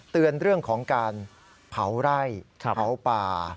เตือนเรื่องของการเผาไร่เผาป่า